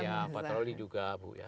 iya patroli juga bu ya